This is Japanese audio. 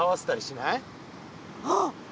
あっ！